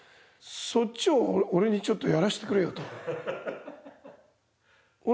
そっちを俺にちょっとやらせてくれよと。